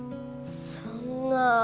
そんな。